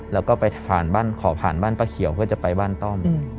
แล้วก็ไปผ่านบ้านขอผ่านบ้านป้าเขียวเพื่อจะไปบ้านต้อม